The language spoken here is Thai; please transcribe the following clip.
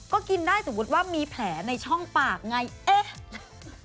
ก็กินได้สมมุติว่ามีแผลในช่องปากไงเอ๊ะ